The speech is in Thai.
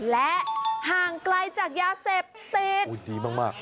และห่างไกลจากยาเสพติดดีมาก